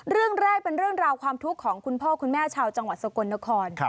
เรื่องแรกเป็นเรื่องราวความทุกข์ของคุณพ่อคุณแม่ชาวจังหวัดสกลนคร